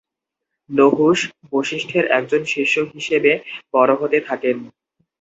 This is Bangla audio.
নহুষ, বশিষ্ঠের একজন শিষ্য হিসেবে বড়ো হতে থাকেন।